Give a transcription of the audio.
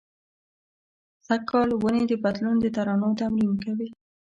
سږ کال ونې د بدلون د ترانو تمرین کوي